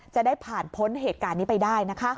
จะได้ผ่านพ้นเหตุการณ์นี้ไปได้นะคะ